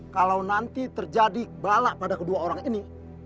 kalau nanti terjadi balah pada kedua orang ini